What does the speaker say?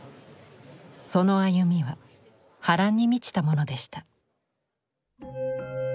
その歩みは波乱に満ちたものでした。